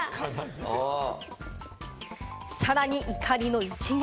さらに怒りの一撃。